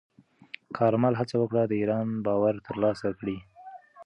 کارمل هڅه وکړه د ایران باور ترلاسه کړي.